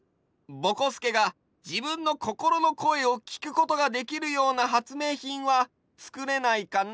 ぼこすけがじぶんのこころのこえをきくことができるようなはつめいひんはつくれないかな？